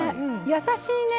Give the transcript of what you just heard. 優しいね。